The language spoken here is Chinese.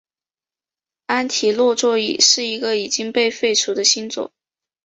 安提诺座是一个已经被废除的星座。